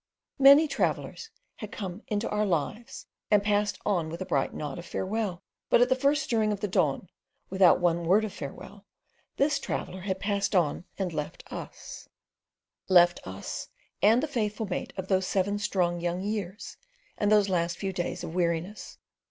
Many travellers had come into our lies and passed on with a bright nod of farewell; but at the first stirring of the dawn, without one word of farewell, this traveller had passed on and left us; left us, and the faithful mate of those seven strong young years and those last few days of weariness.